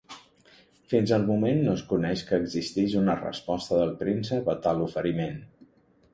Fins al moment no es coneix que existís una resposta del príncep a tal oferiment.